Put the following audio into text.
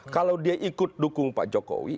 kalau dia ikut dukung pak jokowi